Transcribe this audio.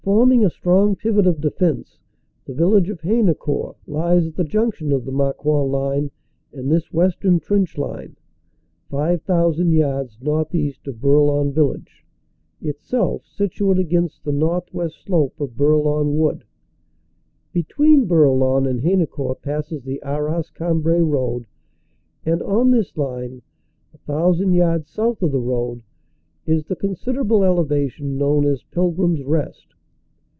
Forming a strong pivot of defense, the village of Hayne court lies at the junction of the Marcoing line and this western trench line, 5,000 yards northeast of Bourlon village, itself situate against the northwest slope of Bourlon Wood. Between Bourlon and Haynecourt passes the Arras Cambrai road, and on this line, a thousand yards south of the road, is the consider able elevation known as Pilgrim s Rest.